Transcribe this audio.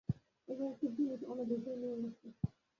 এবং একটি জিনিস অন্য দিকে নিয়ে গেছে।